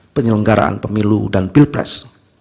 penyelenggaraan pemilu dan pilpres